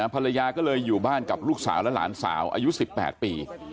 ภรรยาก็เลยอยู่บ้านกับลูกสาวและหลานสาวอายุ๑๘ปี